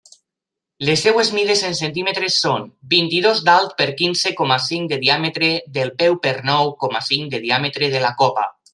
Les seues mides en centímetres són: vint-i-dos d'alt per quinze coma cinc de diàmetre del peu per nou coma cinc de diàmetre de la copa.